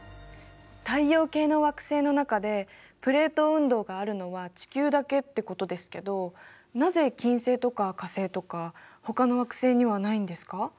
太陽系の惑星の中でプレート運動があるのは地球だけってことですけどなぜ金星とか火星とかほかの惑星にはないんですか？